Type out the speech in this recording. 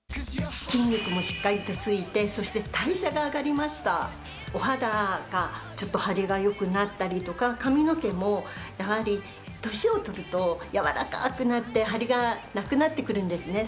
筋肉もしっかりとついてそして代謝が上がりましたお肌がちょっとハリがよくなったりとか髪の毛もやはり年を取るとやわらかくなってハリがなくなってくるんですね